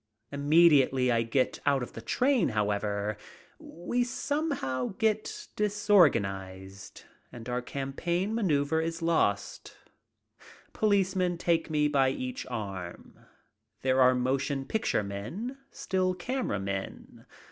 Immediately I get out of the train, however, we somehow get disorganized and our campaign maneuver is lost. Police men take me by each arm. There are motion picture men, still camera men.